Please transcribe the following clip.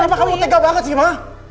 emang kamu tega banget sih ma